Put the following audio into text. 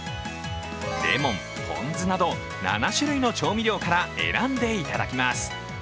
レモン、ポン酢など７種類の調味料から選んでいただきます。